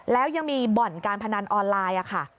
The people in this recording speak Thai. แล้วยังมีบ่อนการพนันออนไลน์ค่ะ